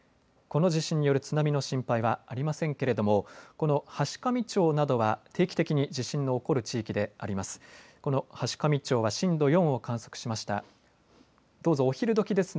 この地震による津波の心配はありませんけれどもこの階上町などは定期的に地震の起こる地域であります。